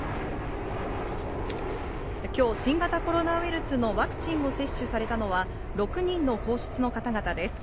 きょう、新型コロナウイルスのワクチンを接種されたのは、６人の皇室の方々です。